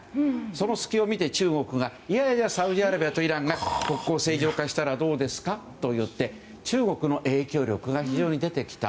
その隙を見て中国がいやいやサウジアラビアとイランが国交正常化したらどうですかと言って中国の影響力が非常に出てきた。